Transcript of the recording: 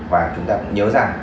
và chúng ta cũng nhớ rằng